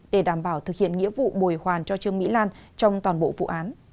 để đảm bảo thực hiện nghĩa vụ bồi hoàn cho trương mỹ lan trong toàn bộ vụ án